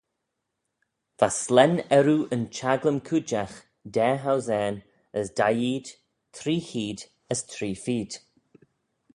Va slane earroo yn chaglym-cooidjagh daa housane as da-eed three cheead as three-feed.